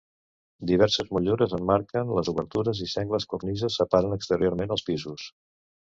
Diverses motllures emmarquen les obertures, i sengles cornises separen exteriorment els pisos.